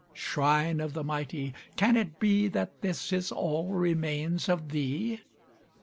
Shrine of the mighty! can it be That this is all remains of thee?